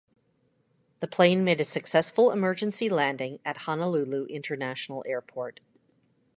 The plane made a successful emergency landing at Honolulu International Airport.